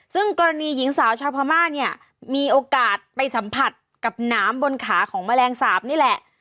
ซึ่งกรณีหญิงสาวชาวพม่าเนี่ยมีโอกาสไปสัมผัสกับหนามบนขาของแมลงสาปนี่แหละ